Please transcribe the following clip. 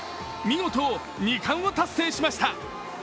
見事２冠を達成しました。